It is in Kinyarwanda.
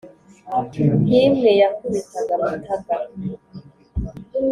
nk’imwe yakubitaga mutaga,